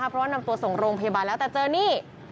เพราะว่านำตัวส่งโรงพยาบาลแล้วแต่เจอนี่